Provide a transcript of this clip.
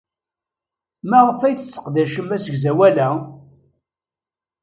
Maɣef ay tesseqdacem asegzawal-a?